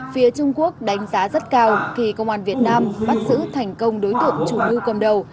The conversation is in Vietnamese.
phía trung quốc đánh giá rất cao khi công an việt nam bắt giữ thành công đối tượng chủ mưu cầm đầu